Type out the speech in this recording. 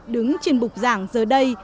đứng trên bục giảng giờ đây